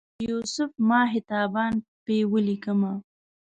چې یوسف ماه تابان په ولیکمه